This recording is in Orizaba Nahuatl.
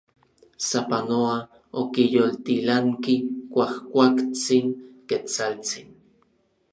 Sapanoa okiyoltilanki kuajkuaktsin Ketsaltsin.